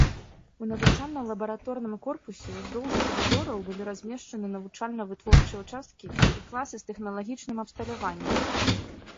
У навучальна-лабараторным корпусе ўздоўж калідораў былі размешчаны навучальна-вытворчыя ўчасткі і класы з тэхналагічным абсталяваннем.